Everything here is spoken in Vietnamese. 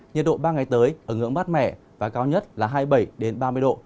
nhiệt độ ba ngày tới ở ngưỡng mát mẻ và cao nhất là hai mươi bảy ba mươi độ